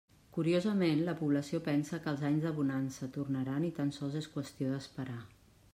Curiosament, la població pensa que els anys de bonança tornaran i tan sols és qüestió d'esperar.